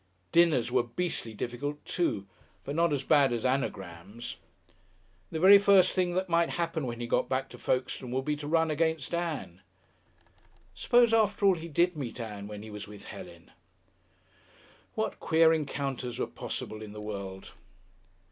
Dinners were beastly difficult, too, but not as bad as Anagrams. The very first thing that might happen when he got back to Folkestone would be to run against Ann. Suppose, after all, he did meet Ann when he was with Helen! What queer encounters were possible in the world!